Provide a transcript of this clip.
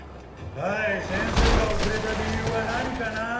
はい先生が遅れた理由は何かな？